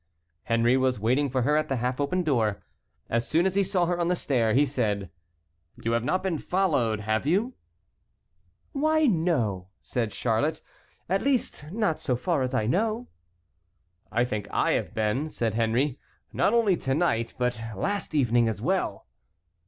Henry was waiting for her at the half open door. As soon as he saw her on the stairs, he said: "You have not been followed, have you?" "Why, no," said Charlotte, "at least, not so far as I know." "I think I have been," said Henry, "not only to night but last evening as well."